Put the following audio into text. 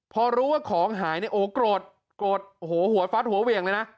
พอรู้ว่าของหายเนี่ยโอ้โกรธโกรธโอ้โหหัวฟัดหัวเหวี่ยงเลยนะ